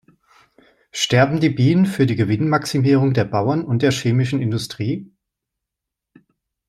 Sterben die Bienen für die Gewinnmaximierung der Bauern und der chemischen Industrie?